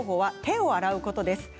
手を洗うことです。